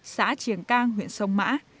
xã triền cang huyện sông mã